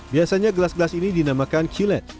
biasanya gelas gelas ini dinamakan cilet